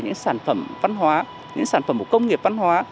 những sản phẩm văn hóa những sản phẩm của công nghiệp văn hóa